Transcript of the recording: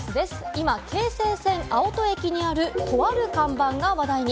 今、京成線青砥駅にある、とある看板が話題に。